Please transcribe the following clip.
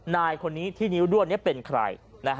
นายคนนี้ที่นิ้วด้วนนี้เป็นใคร